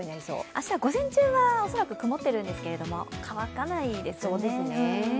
明日は午前中は恐らく曇っているんですけども、乾かないですね。